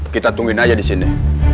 kita tungguin aja disini